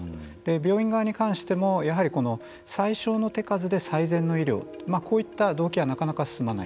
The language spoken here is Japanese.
病院側に関しても、やはり最小の手数で最善の医療、こういった同期はなかなか進まない。